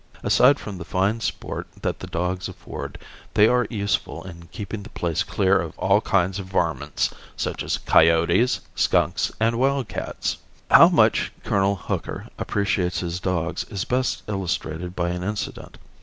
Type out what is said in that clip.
Aside from the fine sport that the dogs afford, they are useful in keeping the place clear of all kinds of "varmints" such as coyotes, skunks and wild cats. How much Col. Hooker appreciates his dogs is best illustrated by an incident.